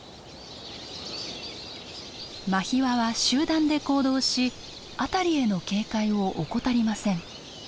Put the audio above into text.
マヒワは集団で行動し辺りへの警戒を怠りません。